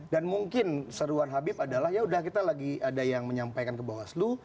dan mungkin seruan habib adalah yaudah kita lagi ada yang menyampaikan ke bawaslu